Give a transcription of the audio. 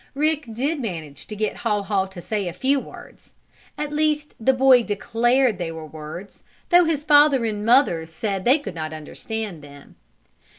Rick did manage to get Haw Haw to say a few words. At least the boy declared they were words, though his father and mother said they could not understand them.